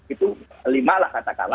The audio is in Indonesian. itu lima lah kata kata